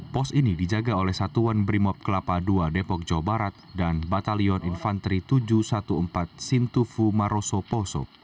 pos ini dijaga oleh satuan brimob kelapa dua depok jawa barat dan batalion infanteri tujuh ratus empat belas sintufu maroso poso